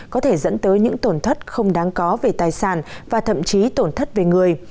có thể dẫn tới những tổn thất không đáng có về tài sản và thậm chí tổn thất về người